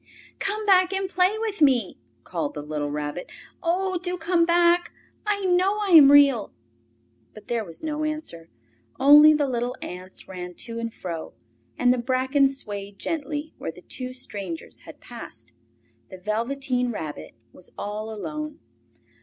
"Come back and play with me!" called the little Rabbit. "Oh, do come back! I know I am Real!" But there was no answer, only the little ants ran to and fro, and the bracken swayed gently where the two strangers had passed. The Velveteen Rabbit was all alone.